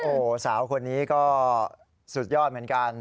โอ้โหสาวคนนี้ก็สุดยอดเหมือนกัน